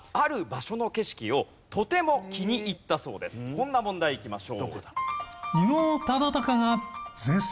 こんな問題いきましょう。